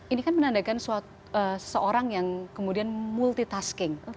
ini kan menandakan seseorang yang kemudian multitasking